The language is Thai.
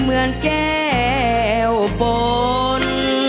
เหมือนแก้วปน